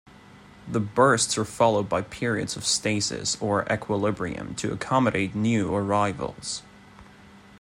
The bursts are followed by periods of stasis or equilibrium to accommodate new arrivals.